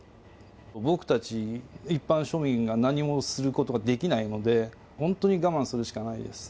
僕たち一般庶民が何もすることができないので、本当に我慢するしかないです。